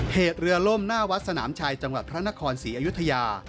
เหตุเรือล่มหน้าวัดสนามชัยจังหวัดพระนครศรีอยุธยา